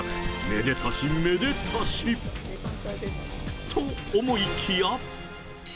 めでたし、めでたし、と、思いきや。